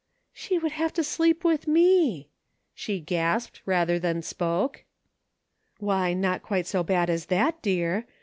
" She would have to sleep with me !" she gasped, rather than spoke. " Why, not quite so bad as that, dear.